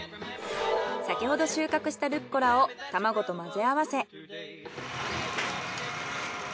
先ほど収獲したルッコラを卵と混ぜ合わせ。